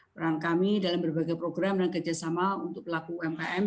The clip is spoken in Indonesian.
peran kami dalam berbagai program dan kerjasama untuk pelaku umkm